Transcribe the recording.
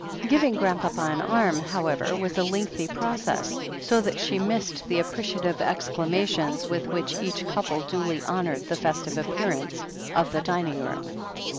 Giving Grandpapa an arm, however, was a lengthy process, so that she missed the appreciative exclama tions with which each couple duly honoured the festive appearance of the dining room.